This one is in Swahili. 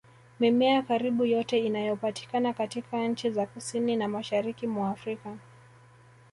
Mimea karibu yote inayopatikana katika nchi za Kusini na Mashariki mwa Afrika